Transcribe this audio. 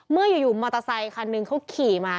เมื่ออยู่มอเตอร์ไซคันหนึ่งเขาขี่มา